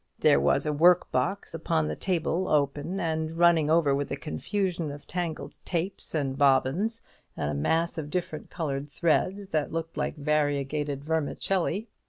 There was a work box upon the table, open, and running over with a confusion of tangled tapes, and bobbins, and a mass of different coloured threads, that looked like variegated vermicelli.